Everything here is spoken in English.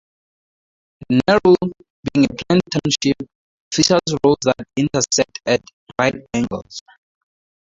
Nerul, being a planned township, features roads that intersect at right angles.